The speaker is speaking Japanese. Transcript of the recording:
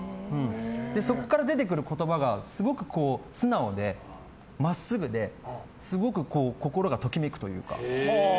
そこから出てくる言葉がすごく素直で真っすぐですごく心がときめくというか。